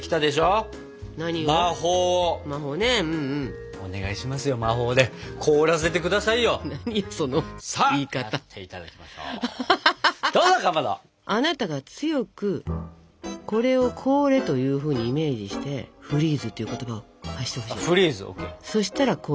あなたが強くこれを凍れというふうにイメージして「フリーズ」という言葉を発してほしい。